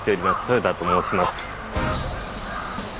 豊田と申します。